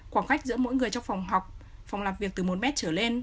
khoảng cách giữa mỗi người trong phòng học phòng làm việc từ một mét trở lên